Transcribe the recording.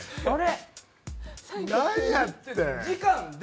あれ？